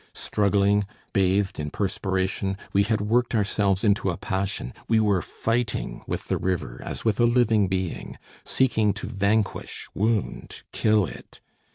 Struggling, bathed in perspiration, we had worked ourselves into a passion; we were fighting with the river as with a living being, seeking to vanquish, wound, kill it.